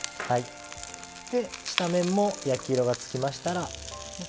下面も焼き色がつきましたら。